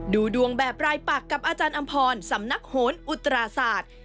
ดูดวงแบบรายปักกับอาจารย์อำพรสำนักโหนอุตราศาสตร์